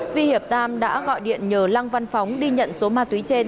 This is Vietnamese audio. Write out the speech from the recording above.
vi hiệp tam đã gọi điện nhờ lăng văn phóng đi nhận số ma túy trên